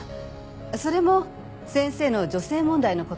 それも先生の女性問題の事で。